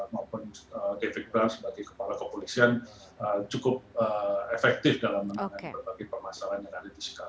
maupun david brown sebagai kepala koordinasi wali kota cukup efektif dalam menangani berbagai permasalahan yang ada di chicago